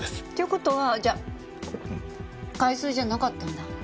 っていう事はじゃあ海水じゃなかったんだ。